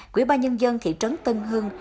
quỹ ba nhân dân thị trấn tân hương